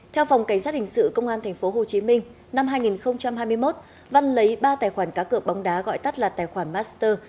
theo phòng cảnh sát hình sự công an tp hcm năm hai nghìn hai mươi một văn lấy ba tài khoản cá cựa bóng đá gọi tắt là tài khoản master